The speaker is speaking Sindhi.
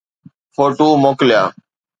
فوٽو موڪليا